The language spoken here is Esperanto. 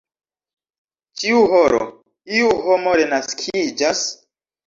ĉiu horo, iu homo renaskiĝas?